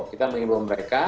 kita mengimba mereka